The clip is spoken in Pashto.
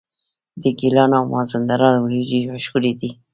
د ګیلان او مازندران وریجې مشهورې دي.